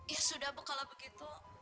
ya sudah pu kalau begitu